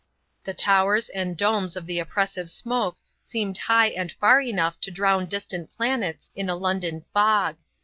The towers and domes of the oppressive smoke seemed high and far enough to drown distant planets in a London fog.